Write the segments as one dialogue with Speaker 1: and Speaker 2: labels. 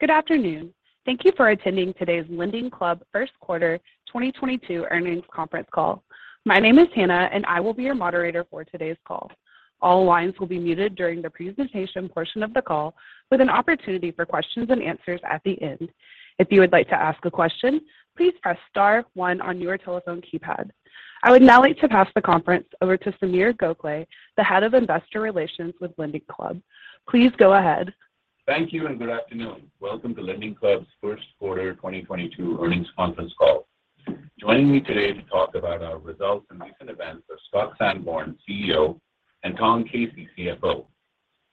Speaker 1: Good afternoon. Thank you for attending today's LendingClub Q1 2022 Earnings Conference Call. My name is Hannah, and I will be your moderator for today's call. All lines will be muted during the presentation portion of the call with an opportunity for questions and answers at the end. If you would like to ask a question, please press star one on your telephone keypad. I would now like to pass the conference over to Sameer Gokhale, the Head of Investor Relations with LendingClub. Please go ahead.
Speaker 2: Thank you and good afternoon. Welcome to LendingClub's Q1 2022 Earnings Conference Call. Joining me today to talk about our results and recent events are Scott Sanborn, CEO, and Tom Casey, CFO.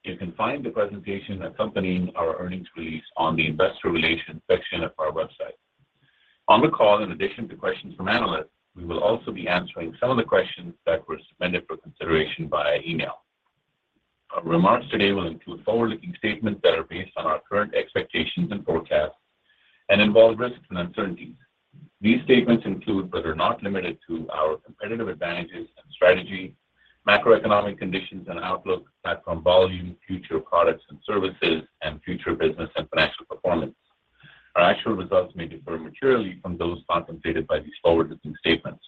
Speaker 2: You can find the presentation accompanying our earnings release on the investor relations section of our website. On the call, in addition to questions from analysts, we will also be answering some of the questions that were submitted for consideration via email. Our remarks today will include forward-looking statements that are based on our current expectations and forecasts and involve risks and uncertainties. These statements include, but are not limited to, our competitive advantages and strategy, macroeconomic conditions and outlook, platform volume, future products and services, and future business and financial performance. Our actual results may differ materially from those contemplated by these forward-looking statements.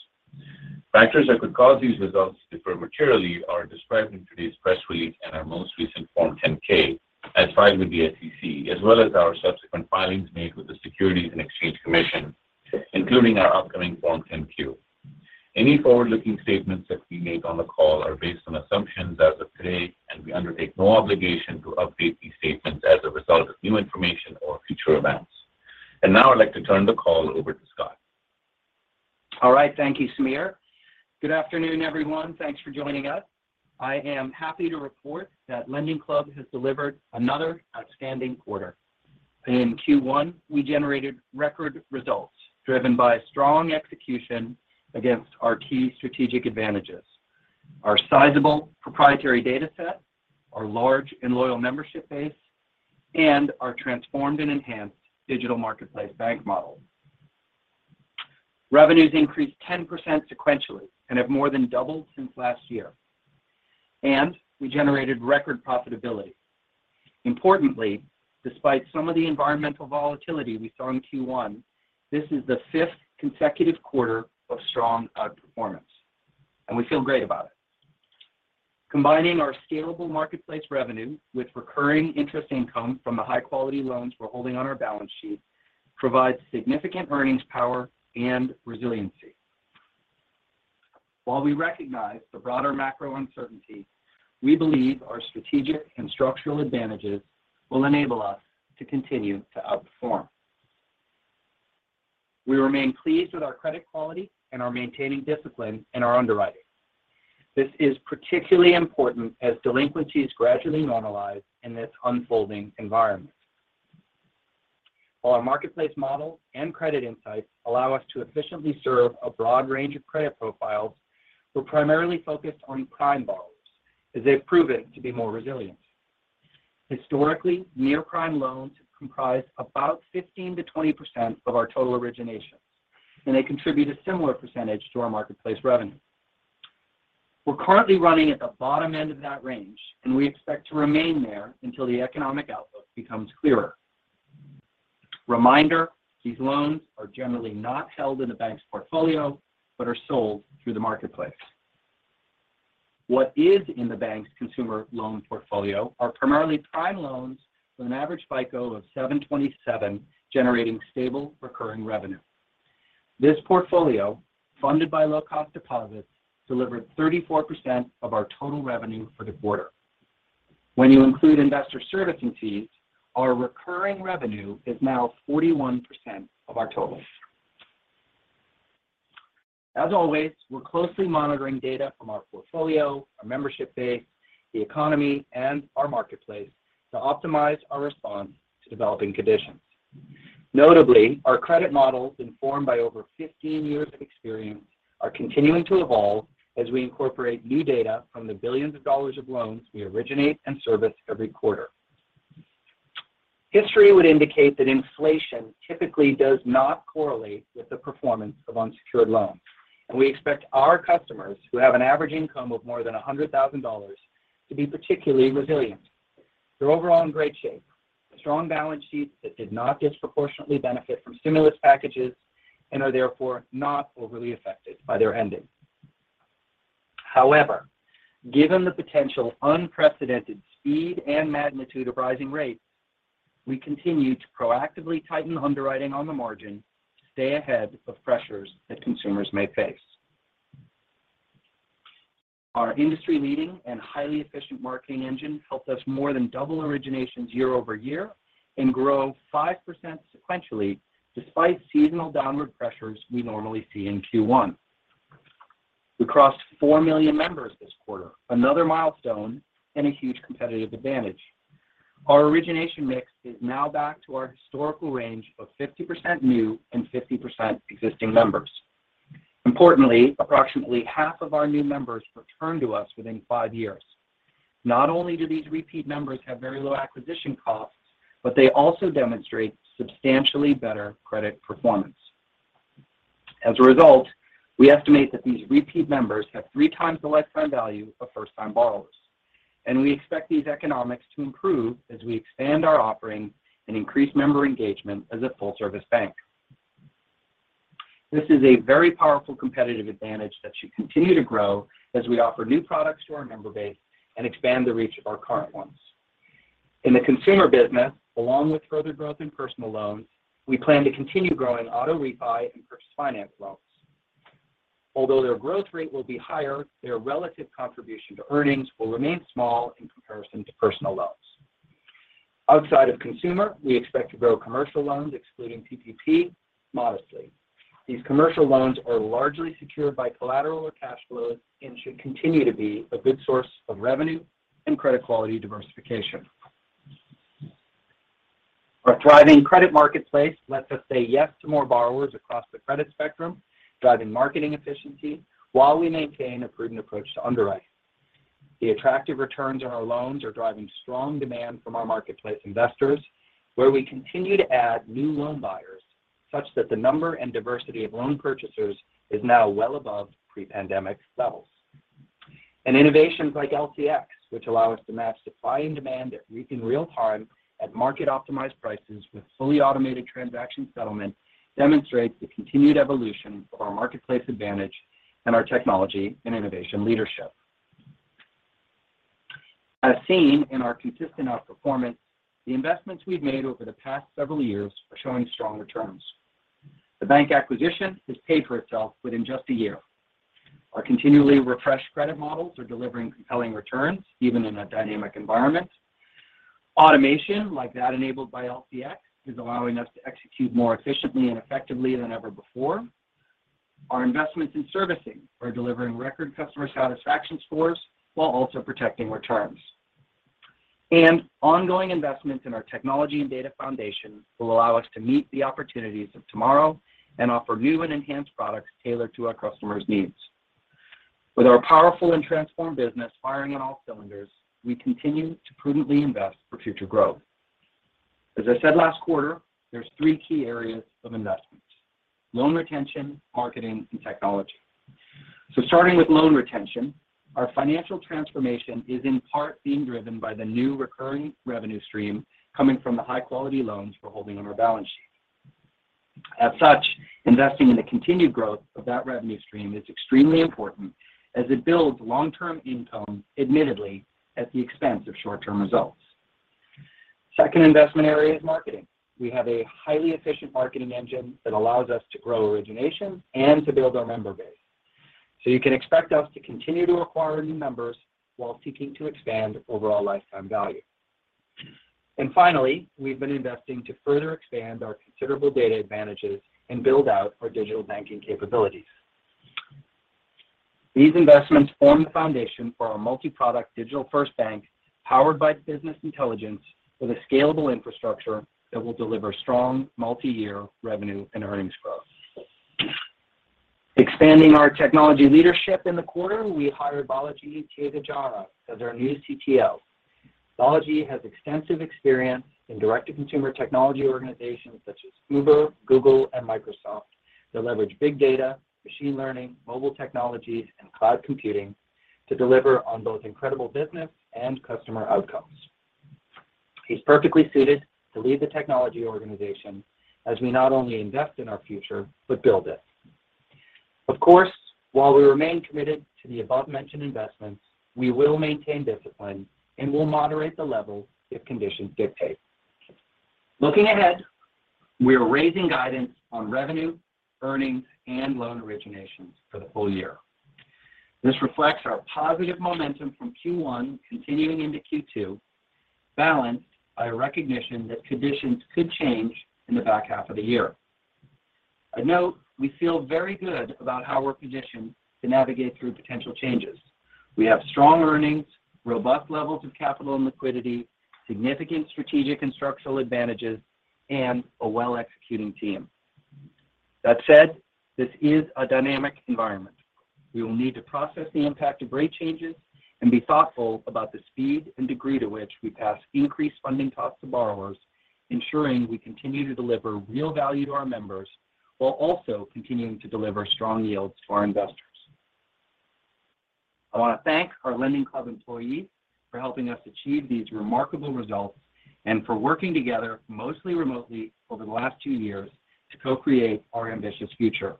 Speaker 2: Factors that could cause these results to differ materially are described in today's press release and our most recent Form 10-K as filed with the SEC, as well as our subsequent filings made with the Securities and Exchange Commission, including our upcoming Form 10-Q. Any forward-looking statements that we make on the call are based on assumptions as of today, and we undertake no obligation to update these statements as a result of new information or future events. Now I'd like to turn the call over to Scott.
Speaker 3: All right. Thank you, Sameer. Good afternoon, everyone. Thanks for joining us. I am happy to report that LendingClub has delivered another outstanding quarter. In Q1, we generated record results driven by strong execution against our key strategic advantages. Our sizable proprietary data set, our large and loyal membership base, and our transformed and enhanced digital marketplace bank model. Revenues increased 10% sequentially and have more than doubled since last year. We generated record profitability. Importantly, despite some of the environmental volatility we saw in Q1, this is the fifth consecutive quarter of strong outperformance, and we feel great about it. Combining our scalable marketplace revenue with recurring interest income from the high-quality loans we're holding on our balance sheet provides significant earnings power and resiliency. While we recognize the broader macro uncertainties, we believe our strategic and structural advantages will enable us to continue to outperform. We remain pleased with our credit quality and are maintaining discipline in our underwriting. This is particularly important as delinquencies gradually normalize in this unfolding environment. While our marketplace model and credit insights allow us to efficiently serve a broad range of credit profiles, we're primarily focused on prime borrowers as they've proven to be more resilient. Historically, near-prime loans comprise about 15%-20% of our total originations, and they contribute a similar percentage to our marketplace revenue. We're currently running at the bottom end of that range, and we expect to remain there until the economic outlook becomes clearer. Reminder, these loans are generally not held in the bank's portfolio but are sold through the marketplace. What is in the bank's consumer loan portfolio are primarily prime loans with an average FICO of 727 generating stable recurring revenue. This portfolio, funded by low-cost deposits, delivered 34% of our total revenue for the quarter. When you include investor servicing fees, our recurring revenue is now 41% of our total. We're closely monitoring data from our portfolio, our membership base, the economy, and our marketplace to optimize our response to developing conditions. Our credit models, informed by over 15 years of experience, are continuing to evolve as we incorporate new data from the billions of dollars of loans we originate and service every quarter. History would indicate that inflation typically does not correlate with the performance of unsecured loans, and we expect our customers, who have an average income of more than $100,000, to be particularly resilient. They're overall in great shape. A strong balance sheet that did not disproportionately benefit from stimulus packages and are therefore not overly affected by their ending. However, given the potential unprecedented speed and magnitude of rising rates, we continue to proactively tighten underwriting on the margin to stay ahead of pressures that consumers may face. Our industry-leading and highly efficient marketing engine helped us more than double originations year-over-year and grow 5% sequentially despite seasonal downward pressures we normally see in Q1. We crossed 4 million members this quarter, another milestone and a huge competitive advantage. Our origination mix is now back to our historical range of 50% new and 50% existing members. Importantly, approximately half of our new members return to us within five years. Not only do these repeat members have very low acquisition costs, but they also demonstrate substantially better credit performance. As a result, we estimate that these repeat members have three times the lifetime value of first-time borrowers. We expect these economics to improve as we expand our offerings and increase member engagement as a full-service bank. This is a very powerful competitive advantage that should continue to grow as we offer new products to our member base and expand the reach of our current ones. In the consumer business, along with further growth in personal loans, we plan to continue growing auto refi and purchase finance loans. Although their growth rate will be higher, their relative contribution to earnings will remain small in comparison to personal loans. Outside of consumer, we expect to grow commercial loans, excluding PPP, modestly. These commercial loans are largely secured by collateral or cash flows and should continue to be a good source of revenue and credit quality diversification. Our thriving credit marketplace lets us say yes to more borrowers across the credit spectrum, driving marketing efficiency while we maintain a prudent approach to underwriting. The attractive returns on our loans are driving strong demand from our marketplace investors, where we continue to add new loan buyers such that the number and diversity of loan purchasers is now well above pre-pandemic levels. Innovations like LCX, which allow us to match supply and demand in real time at market-optimized prices with fully automated transaction settlement, demonstrates the continued evolution of our marketplace advantage and our technology and innovation leadership. As seen in our consistent outperformance, the investments we've made over the past several years are showing strong returns. The bank acquisition has paid for itself within just a year. Our continually refreshed credit models are delivering compelling returns, even in a dynamic environment. Automation like that enabled by LCX is allowing us to execute more efficiently and effectively than ever before. Our investments in servicing are delivering record customer satisfaction scores while also protecting returns. Ongoing investments in our technology and data foundation will allow us to meet the opportunities of tomorrow and offer new and enhanced products tailored to our customers' needs. With our powerful and transformed business firing on all cylinders, we continue to prudently invest for future growth. As I said last quarter, there's three key areas of investment. Loan retention, marketing, and technology. Starting with loan retention, our financial transformation is in part being driven by the new recurring revenue stream coming from the high-quality loans we're holding on our balance sheet. As such, investing in the continued growth of that revenue stream is extremely important as it builds long-term income, admittedly at the expense of short-term results. Second investment area is marketing. We have a highly efficient marketing engine that allows us to grow origination and to build our member base. You can expect us to continue to acquire new members while seeking to expand overall lifetime value. Finally, we've been investing to further expand our considerable data advantages and build out our digital banking capabilities. These investments form the foundation for our multi-product digital-first bank powered by business intelligence with a scalable infrastructure that will deliver strong multi-year revenue and earnings growth. Expanding our technology leadership in the quarter, we hired Balaji Thiagarajan as our new CTO. Balaji has extensive experience in direct-to-consumer technology organizations such as Uber, Google, and Microsoft that leverage big data, machine learning, mobile technologies, and cloud computing to deliver on both incredible business and customer outcomes. He's perfectly suited to lead the technology organization as we not only invest in our future but build it. Of course, while we remain committed to the above-mentioned investments, we will maintain discipline and will moderate the level if conditions dictate. Looking ahead, we are raising guidance on revenue, earnings, and loan originations for the full year. This reflects our positive momentum from Q1 continuing into Q2 balanced by a recognition that conditions could change in the back half of the year. I note we feel very good about how we're positioned to navigate through potential changes. We have strong earnings, robust levels of capital and liquidity, significant strategic and structural advantages, and a well-executing team. That said, this is a dynamic environment. We will need to process the impact of rate changes and be thoughtful about the speed and degree to which we pass increased funding costs to borrowers, ensuring we continue to deliver real value to our members while also continuing to deliver strong yields to our investors. I want to thank our LendingClub employees for helping us achieve these remarkable results and for working together mostly remotely over the last two years to co-create our ambitious future.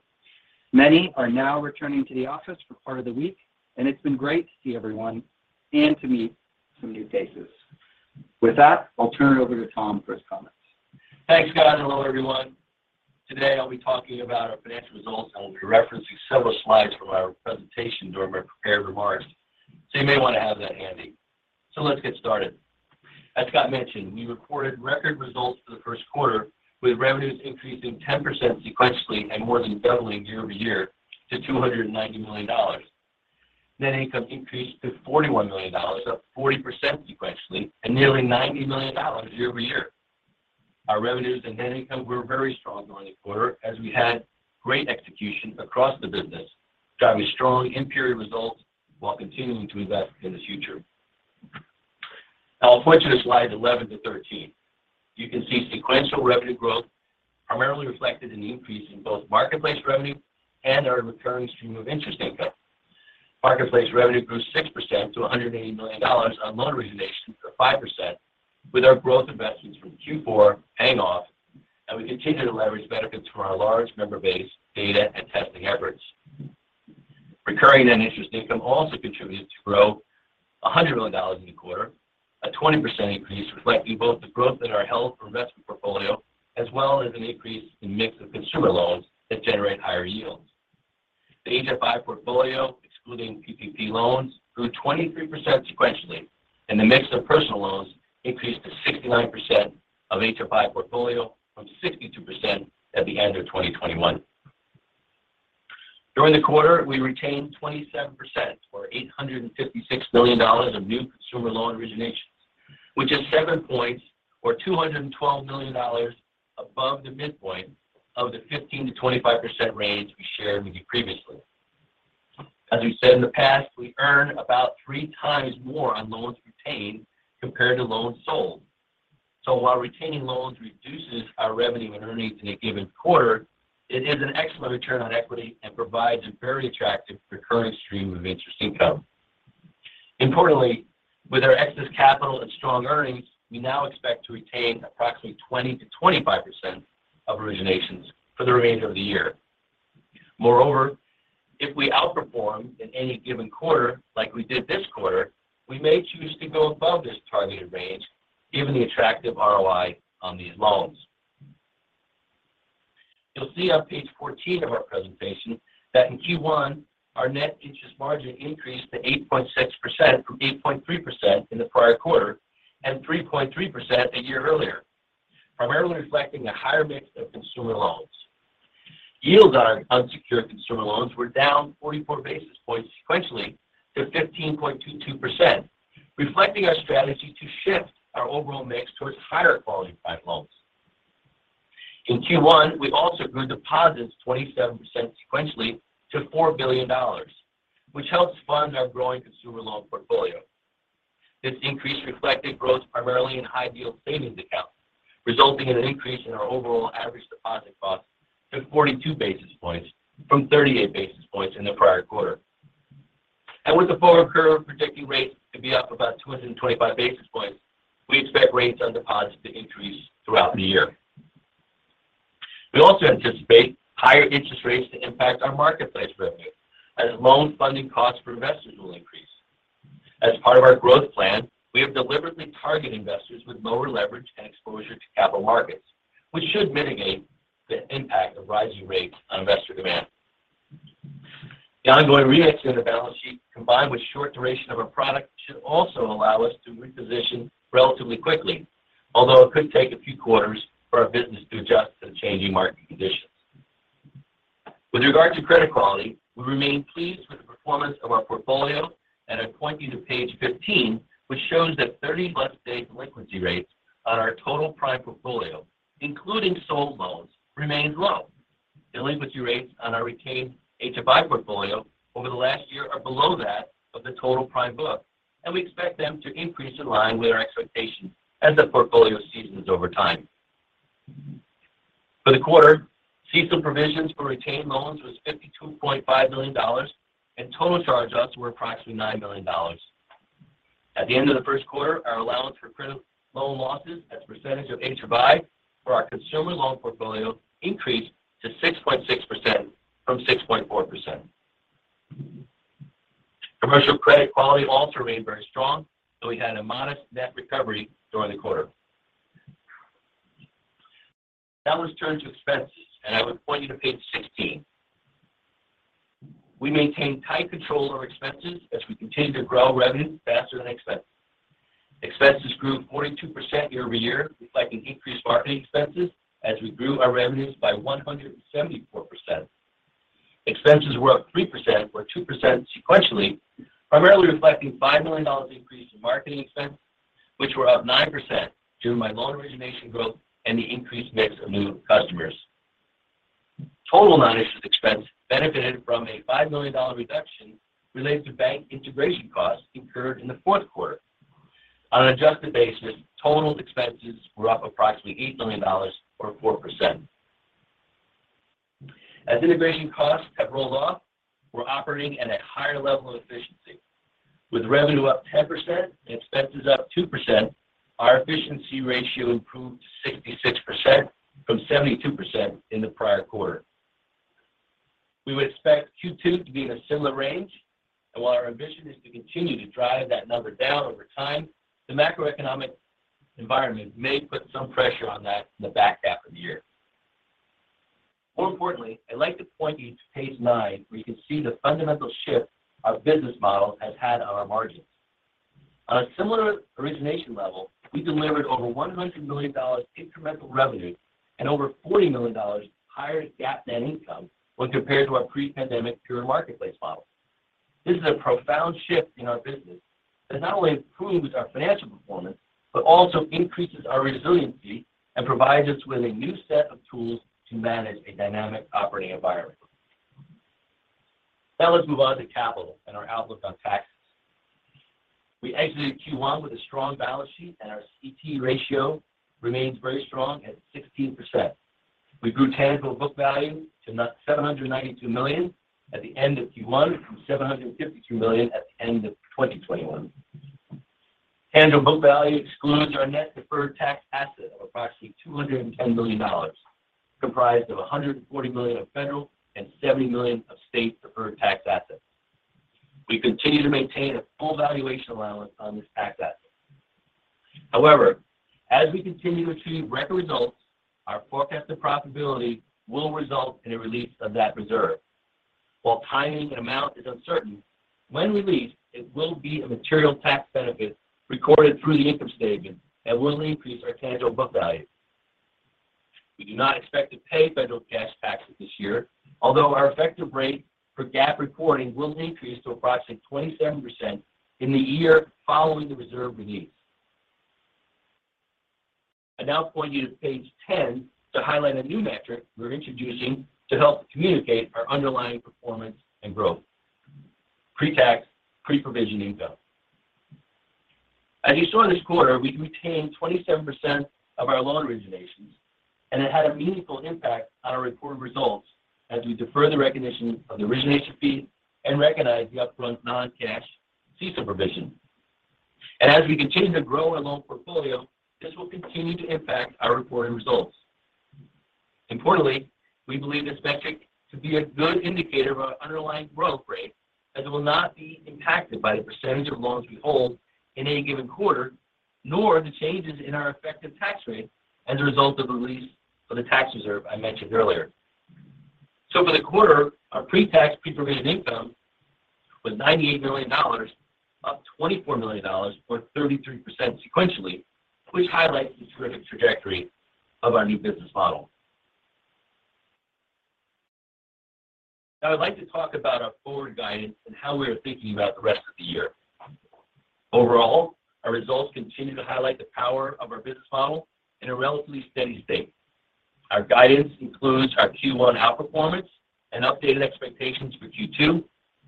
Speaker 3: Many are now returning to the office for part of the week, and it's been great to see everyone and to meet some new faces. With that, I'll turn it over to Tom for his comments.
Speaker 4: Thanks, Scott. Hello, everyone. Today I'll be talking about our financial results. I will be referencing several slides from our presentation during my prepared remarks, so you may want to have that handy. Let's get started. As Scott mentioned, we reported record results for the first quarter with revenues increasing 10% sequentially and more than doubling year-over-year to $290 million. Net income increased to $41 million, up 40% sequentially, and nearly $90 million year-over-year. Our revenues and net income were very strong during the quarter as we had great execution across the business, driving strong in-period results while continuing to invest in the future. I'll point you to slides 11 to 13. You can see sequential revenue growth primarily reflected in the increase in both marketplace revenue and our recurring stream of interest income. Marketplace revenue grew 6% to $180 million on loan originations of 5% with our growth investments from Q4 paying off, and we continue to leverage benefits from our large member base data and testing efforts. Recurring net interest income also contributed to growth, $100 million in the quarter, a 20% increase, reflecting both the growth in our held for investment portfolio, as well as an increase in mix of consumer loans that generate higher yields. The HFI portfolio, excluding PPP loans, grew 23% sequentially, and the mix of personal loans increased to 69% of HFI portfolio from 62% at the end of 2021. During the quarter, we retained 27% or $856 million of new consumer loan originations, which is 7 points or $212 million above the midpoint of the 15%-25% range we shared with you previously. As we've said in the past, we earn about 3x more on loans retained compared to loans sold. While retaining loans reduces our revenue and earnings in a given quarter, it is an excellent return on equity and provides a very attractive recurring stream of interest income. Importantly, with our excess capital and strong earnings, we now expect to retain approximately 20%-25% of originations for the remainder of the year. Moreover, if we outperform in any given quarter like we did this quarter, we may choose to go above this targeted range given the attractive ROI on these loans. You'll see on page 14 of our presentation that in Q1 our net interest margin increased to 8.6% from 8.3% in the prior quarter and 3.3% a year earlier, primarily reflecting a higher mix of consumer loans. Yields on unsecured consumer loans were down 44 basis points sequentially to 15.22%, reflecting our strategy to shift our overall mix towards higher quality prime loans. In Q1, we also grew deposits 27% sequentially to $4 billion, which helps fund our growing consumer loan portfolio. This increase reflected growth primarily in high-yield savings accounts, resulting in an increase in our overall average deposit cost to 42 basis points from 38 basis points in the prior quarter. With the forward curve predicting rates to be up about 225 basis points, we expect rates on deposits to increase throughout the year. We also anticipate higher interest rates to impact our marketplace revenue as loan funding costs for investors will increase. As part of our growth plan, we have deliberately targeted investors with lower leverage and exposure to capital markets, which should mitigate the impact of rising rates on investor demand. The ongoing re-exit of the balance sheet, combined with short duration of our product, should also allow us to reposition relatively quickly. Although it could take a few quarters for our business to adjust to the changing market conditions. With regard to credit quality, we remain pleased with the performance of our portfolio, and I point you to page 15, which shows that 30+ day delinquency rates on our total prime portfolio, including sold loans, remains low. Delinquency rates on our retained HFI portfolio over the last year are below that of the total prime book, and we expect them to increase in line with our expectations as the portfolio seasons over time. For the quarter, CECL provisions for retained loans was $52.5 million and total charge-offs were approximately $9 million. At the end of the first quarter, our allowance for credit losses as a percentage of HFI for our consumer loan portfolio increased to 6.6% from 6.4%. Commercial credit quality also remained very strong, and we had a modest net recovery during the quarter. Now, let's turn to expenses, and I would point you to page 16. We maintain tight control over expenses as we continue to grow revenue faster than expenses. Expenses grew 42% year-over-year, reflecting increased marketing expenses as we grew our revenues by 174%. Expenses were up 3% or 2% sequentially, primarily reflecting $5 million increase in marketing expense, which were up 9% driven by loan origination growth and the increased mix of new customers. Total non-interest expense benefited from a $5 million reduction related to bank integration costs incurred in the fourth quarter. On an adjusted basis, total expenses were up approximately $8 million or 4%. As integration costs have rolled off, we're operating at a higher level of efficiency. With revenue up 10% and expenses up 2%, our efficiency ratio improved to 66% from 72% in the prior quarter. We would expect Q2 to be in a similar range, and while our ambition is to continue to drive that number down over time, the macroeconomic environment may put some pressure on that in the back half of the year. More importantly, I'd like to point you to page 9, where you can see the fundamental shift our business model has had on our margins. On a similar origination level, we delivered over $100 million incremental revenue and over $40 million higher GAAP net income when compared to our pre-pandemic pure marketplace model. This is a profound shift in our business that not only improves our financial performance, but also increases our resiliency and provides us with a new set of tools to manage a dynamic operating environment. Now let's move on to capital and our outlook on taxes. We exited Q1 with a strong balance sheet, and our CET1 ratio remains very strong at 16%. We grew tangible book value to $792 million at the end of Q1 from $752 million at the end of 2021. Tangible book value excludes our net deferred tax asset of approximately $210 million, comprised of $140 million of federal and $70 million of state deferred tax assets. We continue to maintain a full valuation allowance on this tax asset. However, as we continue to achieve record results, our forecasted profitability will result in a release of that reserve. While timing and amount is uncertain, when released, it will be a material tax benefit recorded through the income statement and will increase our tangible book value. We do not expect to pay federal cash taxes this year, although our effective rate for GAAP reporting will increase to approximately 27% in the year following the reserve release. I now point you to page 10 to highlight a new metric we're introducing to help communicate our underlying performance and growth: pre-tax, pre-provision income. As you saw in this quarter, we retained 27% of our loan originations, and it had a meaningful impact on our reported results as we defer the recognition of the origination fee and recognize the upfront non-cash fee provision. As we continue to grow our loan portfolio, this will continue to impact our reported results. Importantly, we believe this metric to be a good indicator of our underlying growth rate as it will not be impacted by the percentage of loans we hold in any given quarter, nor the changes in our effective tax rate as a result of the release of the tax reserve I mentioned earlier. For the quarter, our pre-tax, pre-provision income was $98 million, up $24 million, or 33% sequentially, which highlights the terrific trajectory of our new business model. Now I'd like to talk about our forward guidance and how we are thinking about the rest of the year. Overall, our results continue to highlight the power of our business model in a relatively steady state. Our guidance includes our Q1 outperformance and updated expectations for Q2,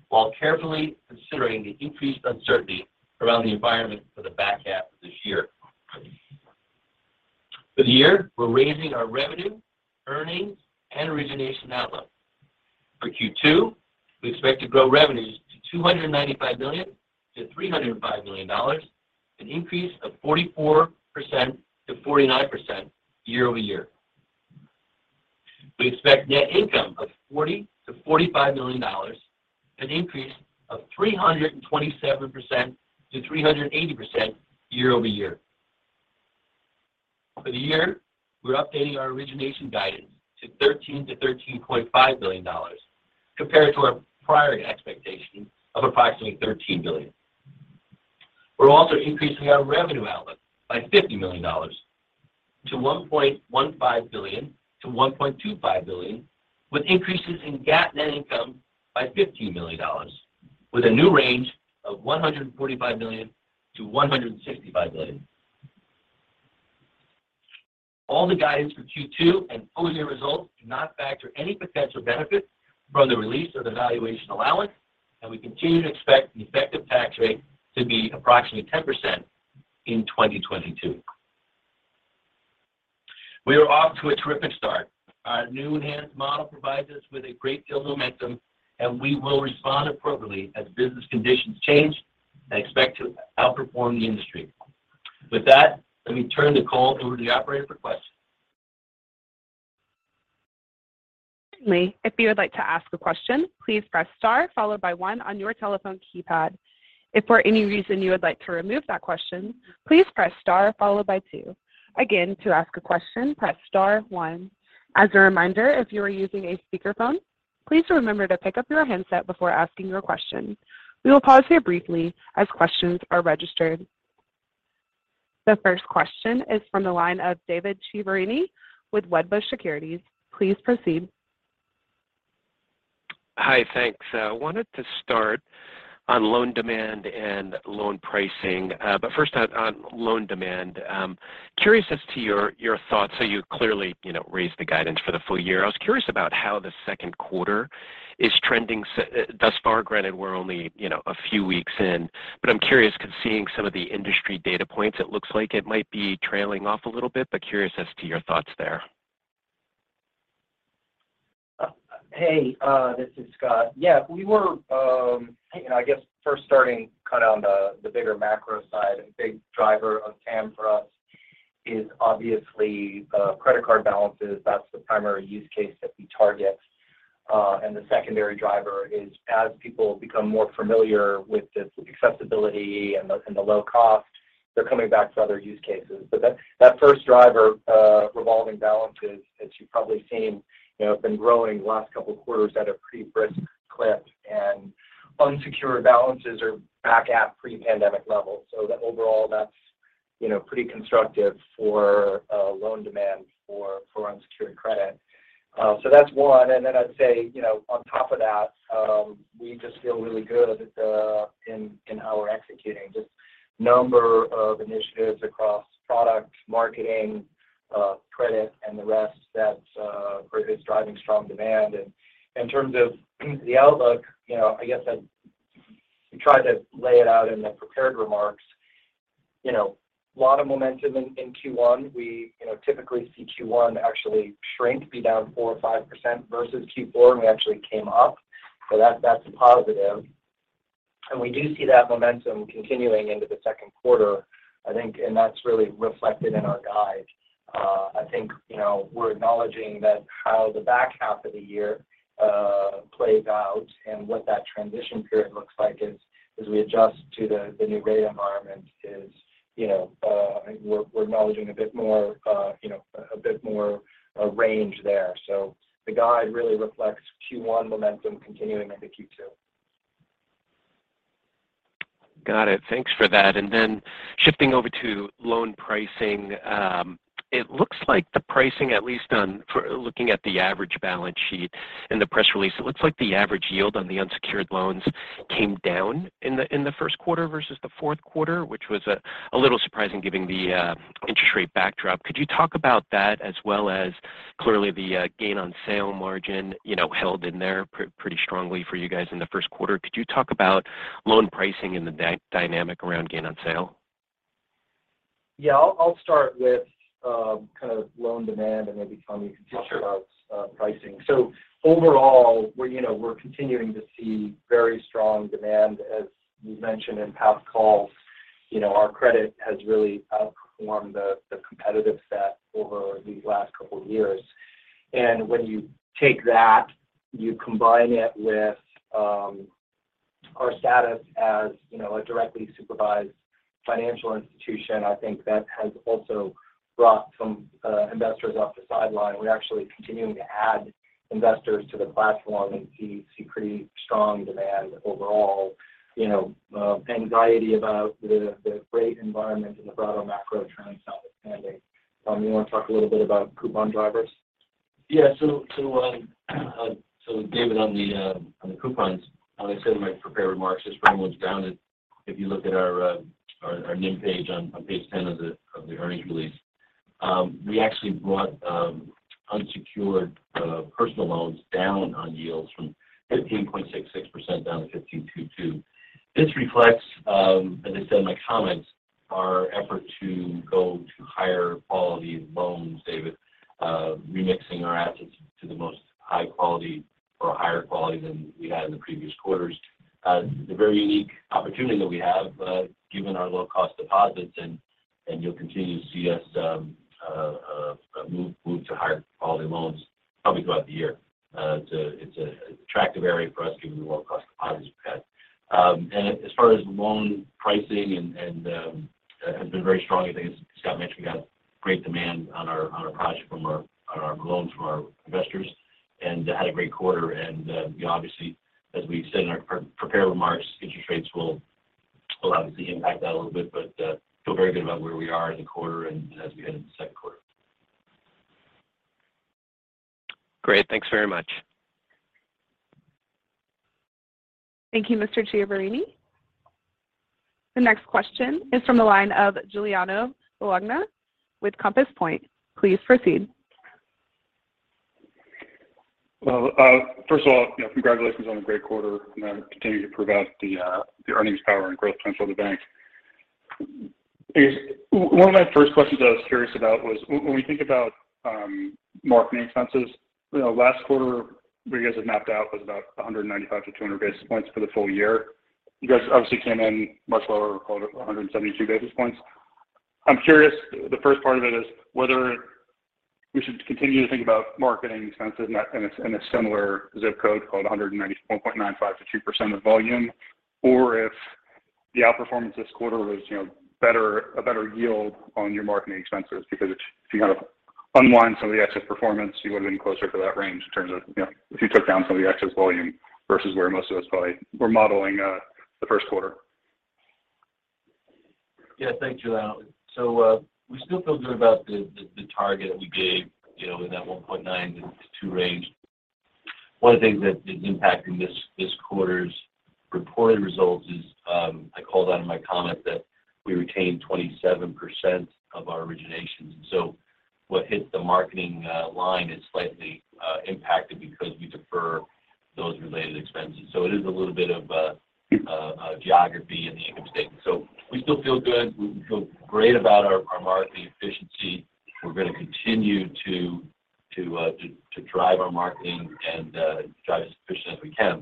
Speaker 4: while carefully considering the increased uncertainty around the environment for the back half of this year. For the year, we're raising our revenue, earnings, and origination outlook. For Q2, we expect to grow revenues to $295-$305 million, an increase of 44%-49% year-over-year. We expect net income of $40-$45 million, an increase of 327%-380% year-over-year. For the year, we're updating our origination guidance to $13-$13.5 billion compared to our prior expectation of approximately $13 billion. We're also increasing our revenue outlook by $50 million to $1.15 billion-$1.25 billion, with increases in GAAP net income by $50 million with a new range of $145 million-$165 million. All the guidance for Q2 and full-year results do not factor any potential benefit from the release of the valuation allowance, and we continue to expect the effective tax rate to be approximately 10% in 2022. We are off to a terrific start. Our new enhanced model provides us with a great deal of momentum, and we will respond appropriately as business conditions change and expect to outperform the industry. With that, let me turn the call over to the operator for questions.
Speaker 1: If you would like to ask a question, please press star followed by one on your telephone keypad. If for any reason you would like to remove that question, please press star followed by two. Again, to ask a question, press star one. As a reminder, if you are using a speakerphone, please remember to pick up your handset before asking your question. We will pause here briefly as questions are registered. The first question is from the line of David Chiaverini with Wedbush Securities. Please proceed.
Speaker 5: Hi. Thanks. I wanted to start on loan demand and loan pricing. First on loan demand. Curious as to your thoughts. You clearly, you know, raised the guidance for the full year. I was curious about how the second quarter is trending thus far, granted we're only, you know, a few weeks in, but I'm curious because seeing some of the industry data points, it looks like it might be trailing off a little bit, but curious as to your thoughts there.
Speaker 3: Hey, this is Scott. Yeah, we were, you know, I guess first starting kind of on the bigger macro side and big driver of TAM for us is obviously the credit card balances. That's the primary use case that we target. The secondary driver is as people become more familiar with this accessibility and the low cost, they're coming back to other use cases. That first driver, revolving balances, as you've probably seen, you know, have been growing the last couple quarters at a pretty brisk clip and unsecured balances are back at pre-pandemic levels. The overall that's, you know, pretty constructive for loan demand for unsecured credit. That's one.
Speaker 4: I'd say, you know, on top of that, we just feel really good in how we're executing on a number of initiatives across product, marketing.
Speaker 3: Credit and the rest that for us is driving strong demand. In terms of the outlook, you know, I guess we tried to lay it out in the prepared remarks. You know, a lot of momentum in Q1. We, you know, typically see Q1 actually shrink, be down 4% or 5% versus Q4, and we actually came up. That's a positive. We do see that momentum continuing into the second quarter, I think, and that's really reflected in our guide. I think, you know, we're acknowledging that how the back half of the year plays out and what that transition period looks like as we adjust to the new rate environment is, you know, I think we're acknowledging a bit more range there. The guide really reflects Q1 momentum continuing into Q2.
Speaker 5: Got it. Thanks for that. Shifting over to loan pricing, it looks like the pricing, at least for looking at the average balance sheet in the press release, it looks like the average yield on the unsecured loans came down in the first quarter versus the fourth quarter, which was a little surprising given the interest rate backdrop. Could you talk about that as well as clearly the gain on sale margin, you know, held in there pretty strongly for you guys in the first quarter? Could you talk about loan pricing and the dynamic around gain on sale?
Speaker 3: Yeah. I'll start with kind of loan demand, and maybe Tom-
Speaker 5: Sure.
Speaker 3: We can talk about pricing. Overall, we're, you know, we're continuing to see very strong demand. As we've mentioned in past calls, you know, our credit has really outperformed the competitive set over these last couple of years. When you take that, you combine it with our status as, you know, a directly supervised financial institution, I think that has also brought some investors off the sideline. We're actually continuing to add investors to the platform and see pretty strong demand overall. You know, anxiety about the rate environment and the broader macro trends out there. Tom, you wanna talk a little bit about coupon drivers?
Speaker 4: Yeah. David, on the coupons, as I said in my prepared remarks, this pretty much down. If you look at our NIM page on page 10 of the earnings release, we actually brought unsecured personal loans down on yields from 15.66% down to 15.22%. This reflects, as I said in my comments, our effort to go to higher quality loans, David, remixing our assets to the most high quality or higher quality than we had in the previous quarters. The very unique opportunity that we have, given our low-cost deposits, and you'll continue to see us move to higher quality loans probably throughout the year. It's an attractive area for us given the low cost deposits we've had. As far as loan pricing has been very strong. I think as Scott mentioned, we got great demand on our loans from our investors and had a great quarter. You know, obviously as we said in our pre-prepared remarks, interest rates will obviously impact that a little bit, but feel very good about where we are in the quarter and as we head into the second quarter.
Speaker 5: Great. Thanks very much.
Speaker 1: Thank you, Mr. Chiaverini. The next question is from the line of Giuliano Bologna with Compass Point. Please proceed.
Speaker 6: Well, first of all, you know, congratulations on a great quarter and continuing to prove out the earnings power and growth potential of the bank. One of my first questions I was curious about was when we think about marketing expenses, you know, last quarter, what you guys had mapped out was about 195-200 basis points for the full year. You guys obviously came in much lower, 172 basis points. I'm curious, the first part of it is whether we should continue to think about marketing expenses in a similar zip code, call it 1.95%-2% of volume, or if the outperformance this quarter was, you know, a better yield on your marketing expenses. Because if you had to unwind some of the excess performance, you would have been closer to that range in terms of, you know, if you took down some of the excess volume versus where most of us probably were modeling, the first quarter.
Speaker 4: Yeah. Thanks, Giuliano. We still feel good about the target we gave, you know, in that 1.9%-2% range. One of the things that is impacting this quarter's reported results is, I called out in my comments that we retained 27% of our originations. What hits the marketing line is slightly impacted because we defer those related expenses. It is a little bit of a geography in the income statement. We still feel good. We feel great about our marketing efficiency. We're gonna continue to drive our marketing and drive as efficient as we can.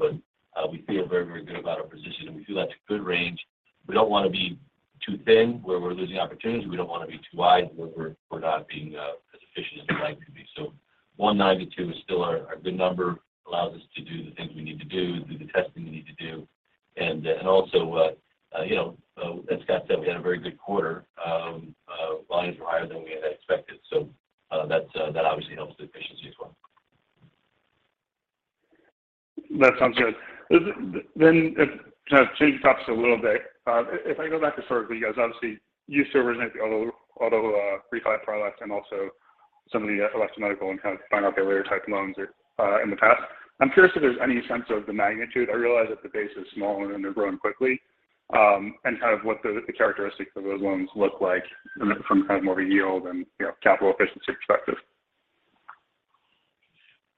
Speaker 4: We feel very, very good about our position, and we feel that's a good range. We don't wanna be too thin where we're losing opportunities. We don't wanna be too wide where we're not being as efficient as we'd like to be. 192 is still our good number, allows us to do the things we need to do the testing we need to do. You know, as Scott said, we had a very good quarter. Volumes were higher than we had expected. That obviously helps the efficiency as well.
Speaker 6: That sounds good. Kind of change topics a little bit. If I go back to serving you guys, obviously, you serve as auto refi products and also some of the elective medical and kind of point-of-sale type loans in the past. I'm curious if there's any sense of the magnitude. I realize that the base is smaller and they're growing quickly, and kind of what the characteristics of those loans look like from kind of more of a yield and, you know, capital efficiency perspective.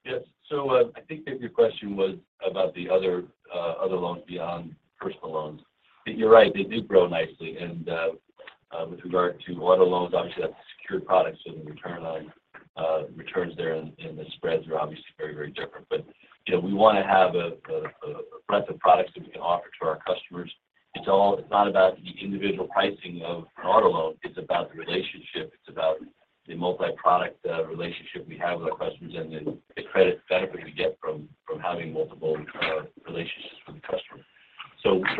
Speaker 4: Yes. I think that your question was about the other loans beyond personal loans. You're right. They do grow nicely. With regard to auto loans, obviously that's a secured product, so the returns there and the spreads are obviously very, very different. You know, we wanna have a breadth of products that we can offer to our customers. It's not about the individual pricing of an auto loan, it's about the relationship, it's about the multi-product relationship we have with our customers and the credit benefit we get from having multiple relationships with the customer.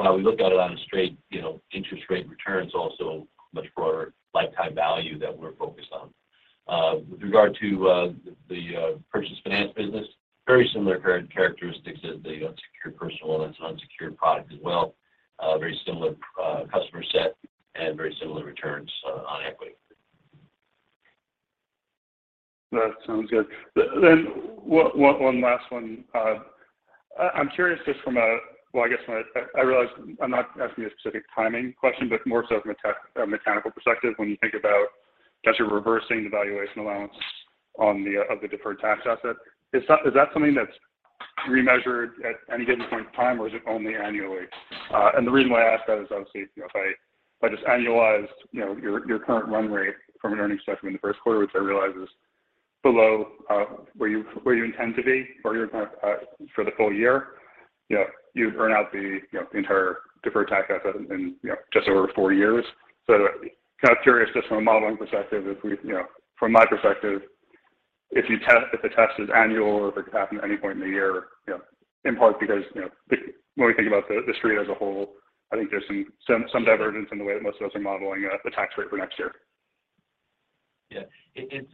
Speaker 4: While we look at it on a straight, you know, interest rate returns, also much broader lifetime value that we're focused on. With regard to the purchase finance business, very similar characteristics as the unsecured personal loans. It's an unsecured product as well. Very similar customer set and very similar returns on equity.
Speaker 6: That sounds good. One last one. I'm curious just from a mechanical perspective. I realize I'm not asking a specific timing question, but more so from a mechanical perspective. When you think about, I guess you're reversing the valuation allowance on the deferred tax asset. Is that something that's remeasured at any given point in time, or is it only annually? The reason why I ask that is obviously, you know, if I just annualized, you know, your current run rate from an earnings perspective in the first quarter, which I realize is below where you intend to be for the full year, you know, you earn out the entire deferred tax asset in, you know, just over four years. Kind of curious just from a modeling perspective, if we, you know, from my perspective, if the test is annual or if it could happen at any point in the year, you know, in part because, you know, when we think about the street as a whole, I think there's some divergence in the way that most of us are modeling the tax rate for next year.
Speaker 4: Yeah. It's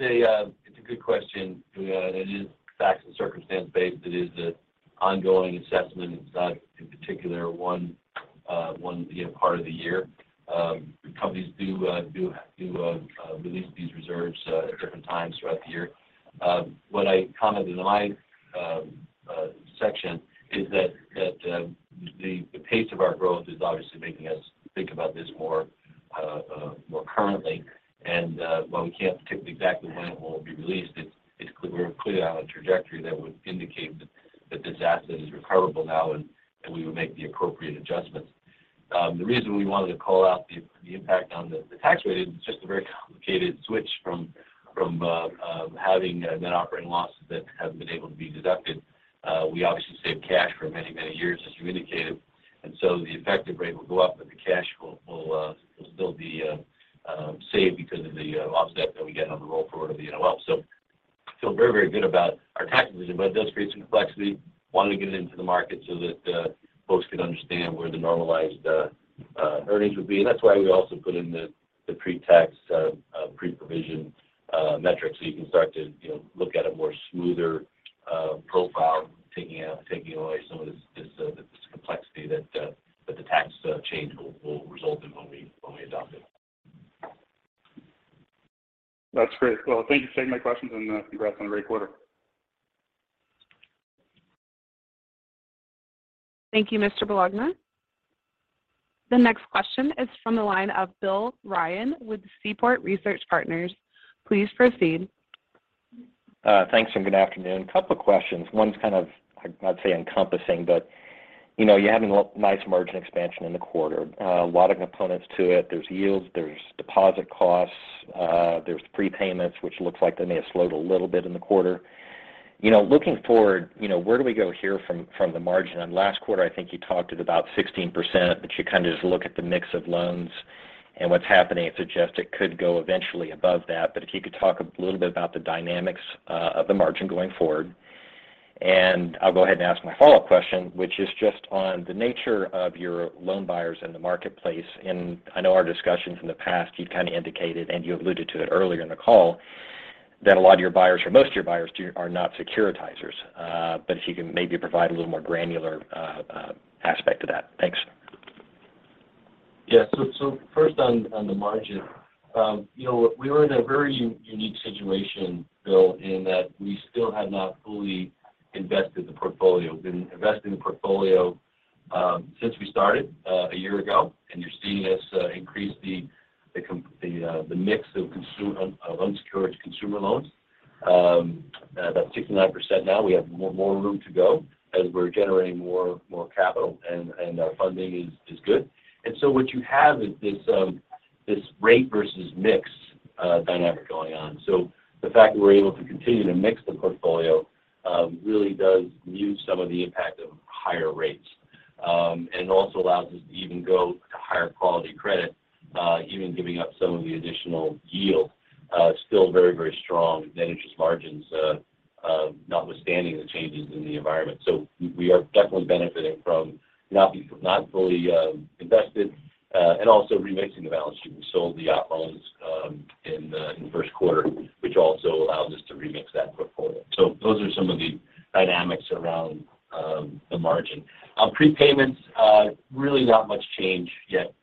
Speaker 4: a good question. It is facts and circumstances based. It is an ongoing assessment. It's not in any particular one you know part of the year. Companies do release these reserves at different times throughout the year. What I commented in my section is that the pace of our growth is obviously making us think about this more currently. While we can't predict exactly when it will be released, it's clear. We're clear on a trajectory that would indicate that this asset is recoverable now and we would make the appropriate adjustments. The reason we wanted to call out the impact on the tax rate is just a very complicated switch from having net operating losses that haven't been able to be deducted. We obviously saved cash for many years, as you indicated, and the effective rate will go up, but the cash will still be saved because of the offset that we get on the rollover for the NOL. We feel very good about our tax position, but it does create some complexity. We wanted to get it into the market so that folks could understand where the normalized earnings would be. That's why we also put in the pre-tax, pre-provision metrics, so you can start to, you know, look at a more smoother profile, taking away some of this complexity that the tax change will result in when we adopt it.
Speaker 6: That's great. Well, thank you for taking my questions and, congrats on a great quarter.
Speaker 1: Thank you, Mr. Bologna. The next question is from the line of Bill Ryan with Seaport Research Partners. Please proceed.
Speaker 7: Thanks and good afternoon. Couple of questions. One's kind of, I'd say encompassing, but you know, you're having a nice margin expansion in the quarter. A lot of components to it. There's yields, there's deposit costs, there's prepayments, which looks like they may have slowed a little bit in the quarter. You know, looking forward, you know, where do we go here from the margin? Last quarter, I think you talked at about 16%, but you kind of just look at the mix of loans and what's happening. It suggests it could go eventually above that. If you could talk a little bit about the dynamics of the margin going forward. I'll go ahead and ask my follow-up question, which is just on the nature of your loan buyers in the marketplace. I know our discussions in the past, you've kind of indicated, and you alluded to it earlier in the call, that a lot of your buyers or most of your buyers are not securitizers. But if you can maybe provide a little more granular aspect to that. Thanks.
Speaker 4: Yeah. First on the margin, you know, we were in a very unique situation, Bill, in that we still have not fully invested the portfolio. We've been investing the portfolio since we started a year ago, and you're seeing us increase the mix of unsecured consumer loans, about 69% now. We have more room to go as we're generating more capital and our funding is good. What you have is this rate versus mix dynamic going on. The fact that we're able to continue to mix the portfolio really does mute some of the impact of higher rates. also allows us to even go to higher quality credit, even giving up some of the additional yield, still very, very strong net interest margins, notwithstanding the changes in the environment. We are definitely benefiting from not fully invested and also remixing the balance sheet. We sold the auto loans in the first quarter, which also allows us to remix that portfolio. Those are some of the dynamics around the margin. On prepayments, really not much change yet.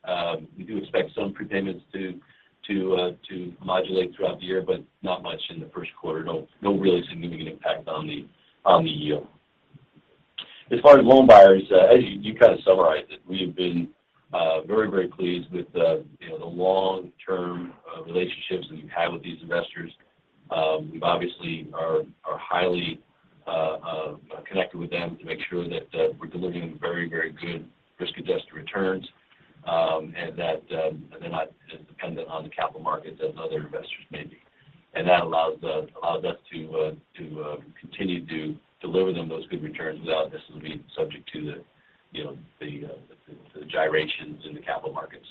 Speaker 4: We do expect some prepayments to modulate throughout the year, but not much in the first quarter. No really significant impact on the yield. As far as loan buyers, as you kind of summarized it, we have been very pleased with you know, the long-term relationships that we have with these investors. We obviously are highly connected with them to make sure that we're delivering very good risk-adjusted returns, and that they're not as dependent on the capital markets as other investors may be. That allows us to continue to deliver them those good returns without necessarily being subject to you know, the gyrations in the capital markets.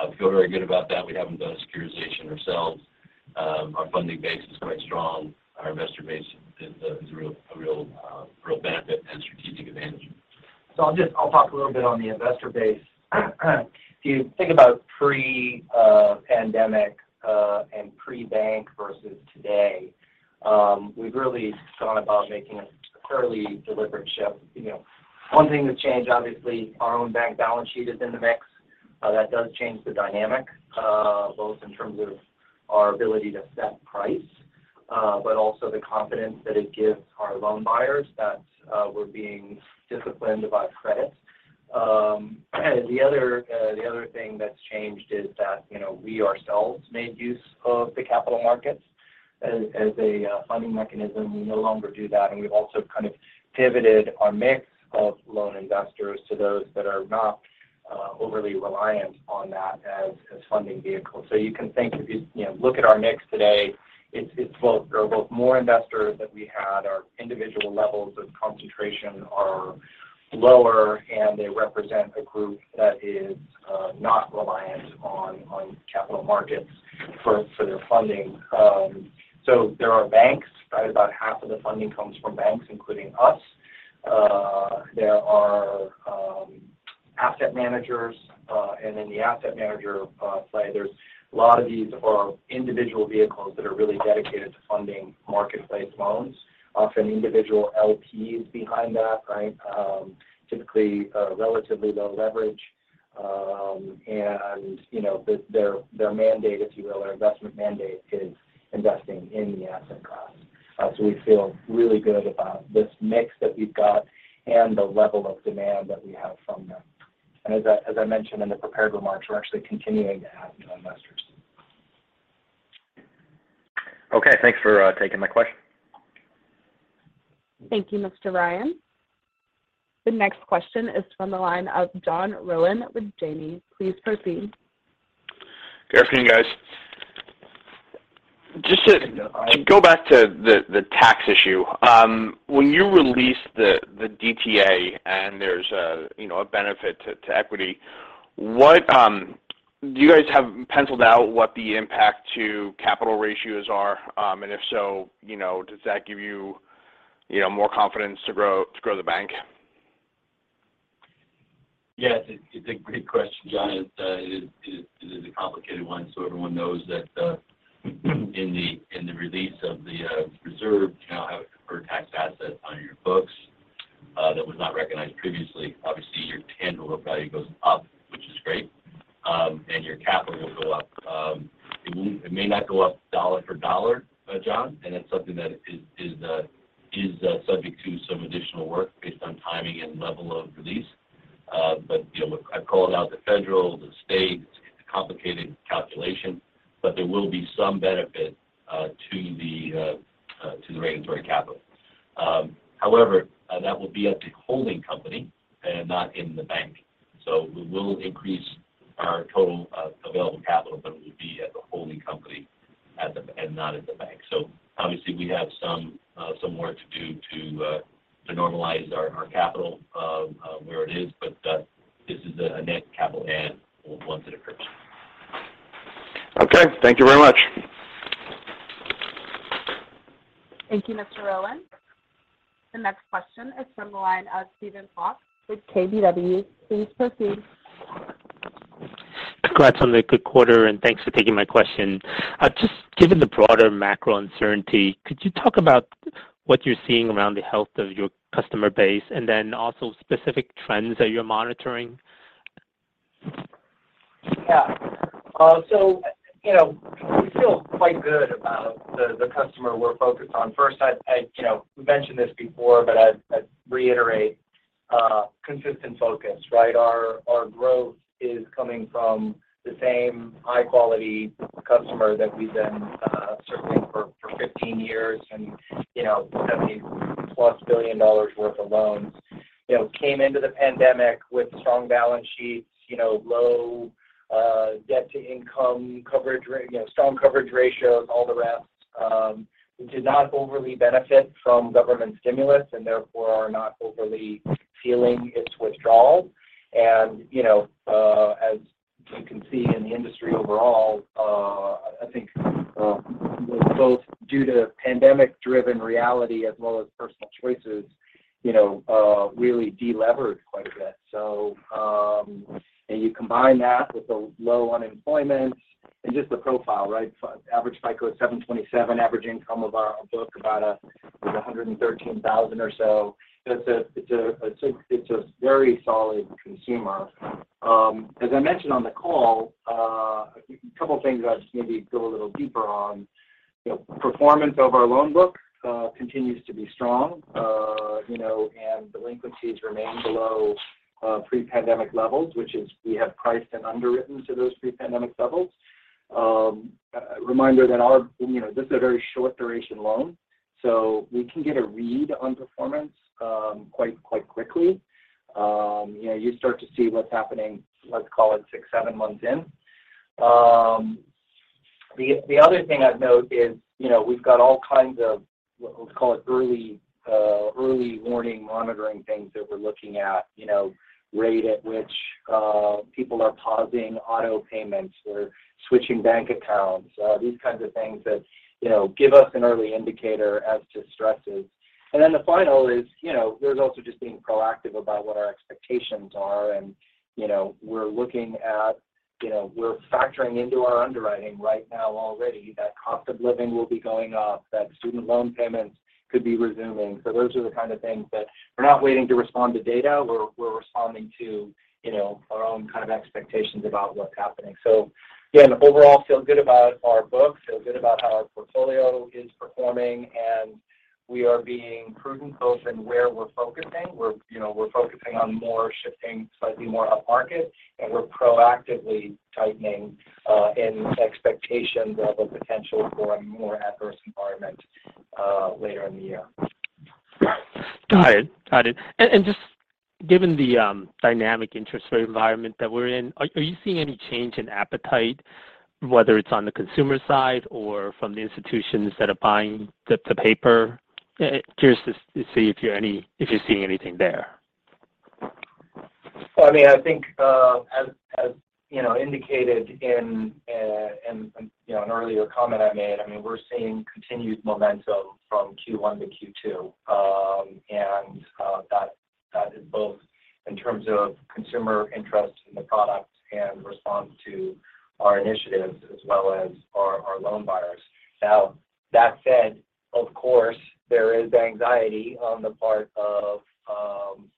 Speaker 4: I feel very good about that. We haven't done a securitization ourselves. Our funding base is quite strong. Our investor base is a real benefit and strategic advantage.
Speaker 3: I'll talk a little bit on the investor base. If you think about pre-pandemic and pre-bank versus today, we've really gone about making a fairly deliberate shift. You know, one thing that's changed, obviously, our own bank balance sheet is in the mix. That does change the dynamic, both in terms of our ability to set price, but also the confidence that it gives our loan buyers that we're being disciplined about credit. The other thing that's changed is that, you know, we ourselves made use of the capital markets as a funding mechanism. We no longer do that, and we've also kind of pivoted our mix of loan investors to those that are not overly reliant on that as funding vehicles. You can think if you know, look at our mix today, it's both. There are both more investors than we had. Our individual levels of concentration are lower, and they represent a group that is not reliant on capital markets for their funding. There are banks. Probably about half of the funding comes from banks, including us. There are asset managers. And in the asset manager play, there's a lot of these are individual vehicles that are really dedicated to funding marketplace loans, often individual LPs behind that, right? Typically, relatively low leverage. And, you know, their mandate, if you will, their investment mandate is investing in the asset class. We feel really good about this mix that we've got and the level of demand that we have from them. As I mentioned in the prepared remarks, we're actually continuing to add new investors.
Speaker 7: Okay. Thanks for taking my question.
Speaker 1: Thank you, Mr. Ryan. The next question is from the line of John Rowan with Janney. Please proceed.
Speaker 8: Good afternoon, guys.
Speaker 4: Good afternoon, John.
Speaker 8: To go back to the tax issue. When you release the DTA and there's a you know a benefit to equity, do you guys have penciled out what the impact to capital ratios are? If so, you know, does that give you you know more confidence to grow the bank?
Speaker 4: Yes. It's a great question, John. It is a complicated one. Everyone knows that in the release of the reserve, you now have a deferred tax asset on your books that was not recognized previously. Obviously, your tangible book value goes up, which is great, and your capital will go up. It may not go up dollar for dollar, John, and it's something that is subject to some additional work based on timing and level of release. You know, look, I called out the federal, the state. It's a complicated calculation, but there will be some benefit to the regulatory capital. However, that will be at the holding company and not in the bank. We will increase our total available capital, but it will be at the holding company and not at the bank. Obviously, we have some work to do to normalize our capital where it is, but this is a net capital add once it occurs.
Speaker 8: Okay. Thank you very much.
Speaker 1: Thank you, Mr. Rowan. The next question is from the line of Steven Kwok with KBW. Please proceed.
Speaker 9: Congrats on the good quarter, and thanks for taking my question. Just given the broader macro uncertainty, could you talk about what you're seeing around the health of your customer base and then also specific trends that you're monitoring?
Speaker 3: Yeah. So, you know, we feel quite good about the customer we're focused on. First, I mentioned this before, but I reiterate, consistent focus, right? Our growth is coming from the same high quality customer that we've been serving for 15 years and, you know, $70+ billion worth of loans. You know, came into the pandemic with strong balance sheets, you know, low debt to income coverage, you know, strong coverage ratios, all the rest. Did not overly benefit from government stimulus and therefore are not overly feeling its withdrawal. You know, as you can see in the industry overall, I think, both due to pandemic-driven reality as well as personal choices, you know, really delevered quite a bit. You combine that with the low unemployment and just the profile, right? Average FICO is 727, average income of our book about $113,000 or so. It's a very solid consumer. As I mentioned on the call, a couple things I'll just maybe go a little deeper on. You know, performance of our loan book continues to be strong. You know, delinquencies remain below pre-pandemic levels, which is we have priced and underwritten to those pre-pandemic levels. A reminder that our you know, this is a very short duration loan, so we can get a read on performance quite quickly. You know, you start to see what's happening, let's call it six, seven months in. The other thing I'd note is, you know, we've got all kinds of, let's call it early warning monitoring things that we're looking at. You know, rate at which people are pausing auto payments or switching bank accounts, these kinds of things that, you know, give us an early indicator as to stresses. Then the final is, you know, there's also just being proactive about what our expectations are and, you know, we're looking at, you know, we're factoring into our underwriting right now already that cost of living will be going up, that student loan payments could be resuming. Those are the kind of things that we're not waiting to respond to data, we're responding to, you know, our own kind of expectations about what's happening. Again, overall feel good about our books, feel good about how our portfolio is performing, and we are being prudent both in where we're focusing. We're, you know, we're focusing on more shifting slightly more up market, and we're proactively tightening in expectation of a potential for a more adverse environment later in the year.
Speaker 9: Got it. Just given the dynamic interest rate environment that we're in, are you seeing any change in appetite, whether it's on the consumer side or from the institutions that are buying the paper? Curious to see if you're seeing anything there.
Speaker 3: Well, I mean, I think, as you know, indicated in you know, an earlier comment I made, I mean, we're seeing continued momentum from Q1 to Q2. That is both in terms of consumer interest in the product and response to our initiatives as well as our loan buyers. Now that said, of course, there is anxiety on the part of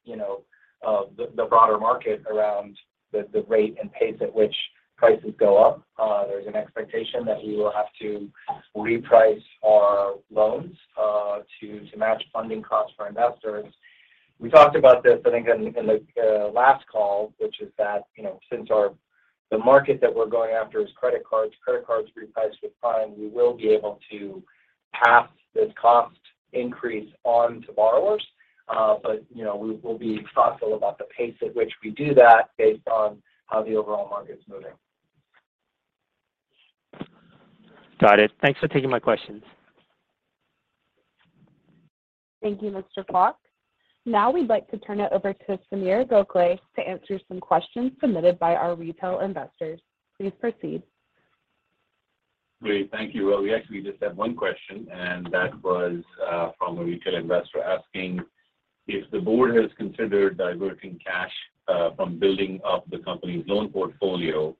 Speaker 3: you know of the broader market around the rate and pace at which prices go up. There's an expectation that we will have to reprice our loans to match funding costs for investors. We talked about this, I think in the last call, which is that, you know, since our... The market that we're going after is credit cards, credit cards repriced with prime. We will be able to pass this cost increase on to borrowers. You know, we will be thoughtful about the pace at which we do that based on how the overall market's moving.
Speaker 9: Got it. Thanks for taking my questions.
Speaker 1: Thank you, Mr. Kwok. Now we'd like to turn it over to Sameer Gokhale to answer some questions submitted by our retail investors. Please proceed.
Speaker 2: Great. Thank you. Well, we actually just had one question, and that was from a retail investor asking if the board has considered diverting cash from building up the company's loan portfolio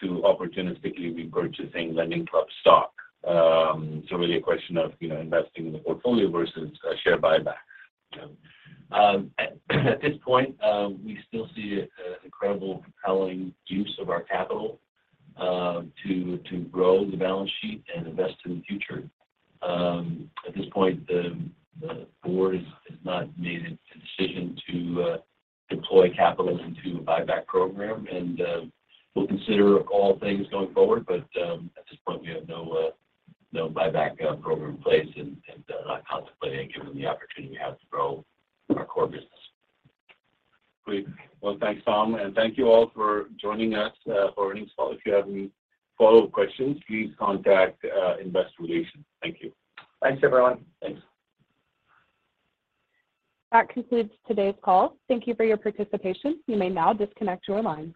Speaker 2: to opportunistically repurchasing LendingClub stock. Really a question of, you know, investing in the portfolio versus a share buyback.
Speaker 4: At this point, we still see an incredibly compelling use of our capital to grow the balance sheet and invest in the future. At this point, the board has not made a decision to deploy capital into a buyback program. We'll consider all things going forward, but at this point we have no buyback program in place and not contemplating given the opportunity we have to grow our core business.
Speaker 2: Great. Well, thanks, Tom, and thank you all for joining us for earnings call. If you have any follow-up questions, please contact Investor Relations. Thank you.
Speaker 3: Thanks, everyone.
Speaker 2: Thanks.
Speaker 1: That concludes today's call. Thank you for your participation. You may now disconnect your lines.